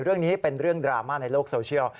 เรื่องนี้เป็นเรื่องดราม่าในโลกโซเชียล